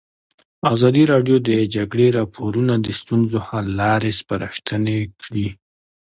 ازادي راډیو د د جګړې راپورونه د ستونزو حل لارې سپارښتنې کړي.